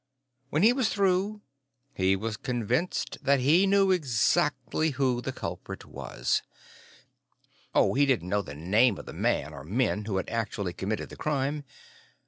When he was through, he was convinced that he knew exactly who the culprit was. Oh, he didn't know the name of the man, or men, who had actually committed the crime.